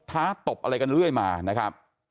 ้าตบอะไรกันเรื่อยมานะครับ